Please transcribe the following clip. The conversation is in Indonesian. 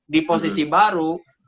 di posisi baru